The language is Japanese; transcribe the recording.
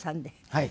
はい。